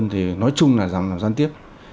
thì nói chung là gián tiếp